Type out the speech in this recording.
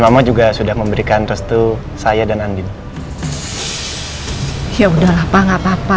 maksud kata siang